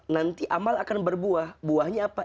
nanti amal akan berbuah buahnya apa